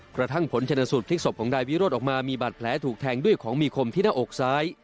กระทั่งผลชนสูตรพลิกศพของนายวิโรธออกมามีบาดแผลถูกแทงด้วยของมีคมที่หน้าอกซ้าย